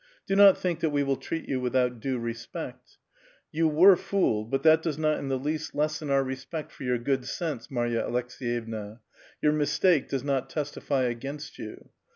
Do not think that we will treat you without due respect. You were fooled, but that does not in the least lessen our respect for your good sense, Marya Aleks6yevna ; your mistake does not testify against you.